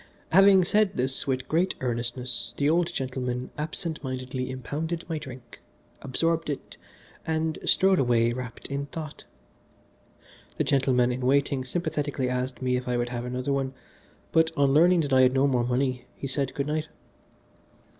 Having said this with great earnestness the old gentleman absent mindedly impounded my drink, absorbed it, and strode away wrapped in thought. The gentleman in waiting sympathetically asked me if I would have another one, but on learning that I had no more money he said good night.